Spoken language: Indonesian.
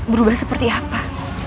berubah seperti apa